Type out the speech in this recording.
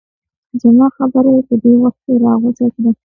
زما خبره یې په دې وخت کې راغوڅه کړه.